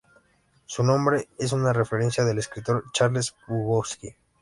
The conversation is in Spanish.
Su nombre es una referencia al escritor Charles Bukowski.